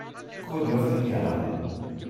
Gouverneur von Indiana.